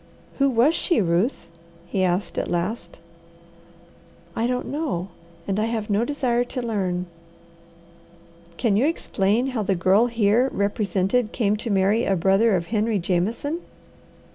"Who was she, Ruth?" he asked at last. "I don't know, and I have no desire to learn." "Can you explain how the girl here represented came to marry a brother of Henry Jameson?"